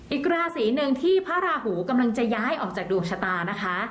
อีกราศีหนึ่งที่พระราหูกำลังจะย้ายออกจากดวงชะตานะคะ